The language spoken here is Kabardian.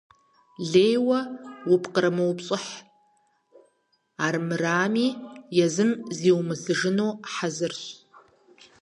Лейуэ упкърымыупщӏыхь, армырами езым зиумысыжыну хьэзырщ.